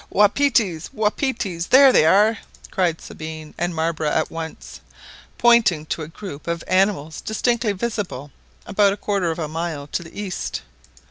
"Wapitis! wapitis! there they are !" cried Sabine and Marbre at once, pointing to a group of animals distinctly visible about a quarter of a mile to the east.